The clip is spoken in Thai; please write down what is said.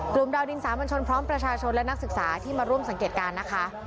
ดาวดินสามัญชนพร้อมประชาชนและนักศึกษาที่มาร่วมสังเกตการณ์นะคะ